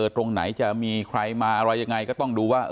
ตรงไหนจะมีใครมาอะไรยังไงก็ต้องดูว่า